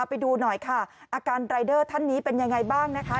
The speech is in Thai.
ไปดูหน่อยค่ะอาการรายเดอร์ท่านนี้เป็นยังไงบ้างนะคะ